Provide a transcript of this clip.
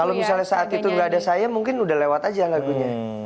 kalau misalnya saat itu nggak ada saya mungkin udah lewat aja lagunya